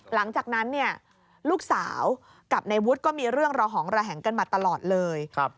หลังจากนั้นเนี่ยลูกสาวกับในวุฒิก็มีเรื่องระหองระแหงกันมาตลอดเลย